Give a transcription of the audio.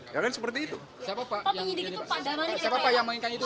ya kan seperti itu